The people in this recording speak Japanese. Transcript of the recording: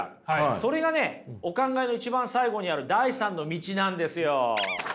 それがねお考えの一番最後にある第３の道なんですよ。